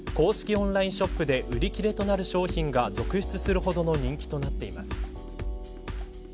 オンラインショップで売り切れとなる商品が続出するほどの人気となっています。